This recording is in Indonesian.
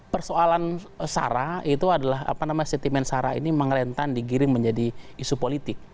persoalan sarah itu adalah apa namanya sentimen sara ini mengerentan digiring menjadi isu politik